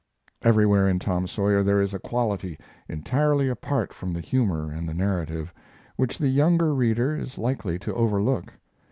Everywhere in Tom Sawyer there is a quality, entirely apart from the humor and the narrative, which the younger reader is likely to overlook.